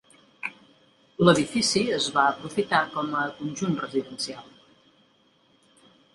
L'edifici es va aprofitar com a conjunt residencial.